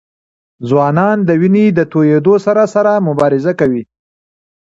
ځوانان د وینې د تویېدو سره سره مبارزه کوي.